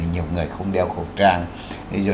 nhiều người không đeo khẩu trang